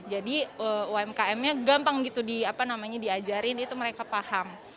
jadi umkm nya gampang gitu diajarin itu mereka paham